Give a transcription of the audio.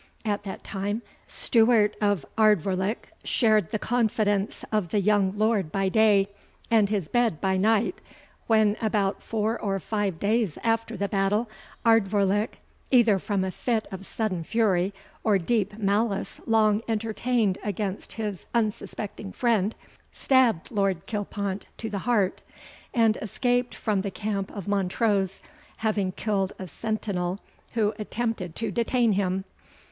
At that time, Stewart of Ardvoirlich shared the confidence of the young Lord by day, and his bed by night, when, about four or five days after the battle, Ardvoirlich, either from a fit of sudden fury or deep malice long entertained against his unsuspecting friend, stabbed Lord Kilpont to the heart, and escaped from the camp of Montrose, having killed a sentinel who attempted to detain him.